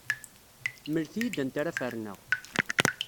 Mlet-iyi-d anta ara ferneɣ.